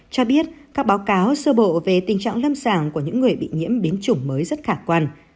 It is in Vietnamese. cho biết các báo cáo sơ bộ về tình trạng lâm sàng của những người bị nhiễm biến chủng mới rất khả quan